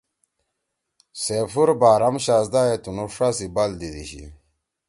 سیفور بارام شاھزدہ یے تُنُو شا سی بال دیدی شی۔